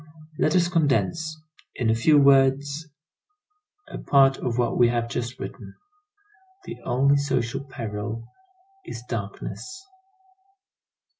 Let us condense, in a few words, a part of what we have just written. The only social peril is darkness.